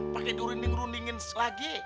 pake durinding rundingin lagi